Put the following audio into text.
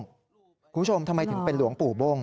คุณผู้ชมทำไมถึงเป็นหลวงปู่โบ้ง